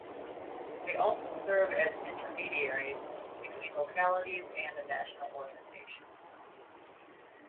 They also serve as intermediaries between localities and the national organization.